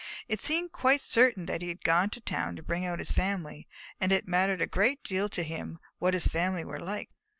It seemed quite certain that he had gone to town to bring out his family, and it mattered a great deal to them what his family were like.